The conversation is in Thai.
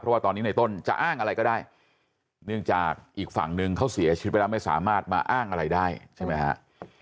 ว่าตอนนี้ในต้นจะอ้างอะไรก็ได้เนื่องจากอีกฝั่งนึงเขาเสียชีวิตไปแล้วไม่สามารถมาอ้างอะไรได้ใช่ไหมฮะ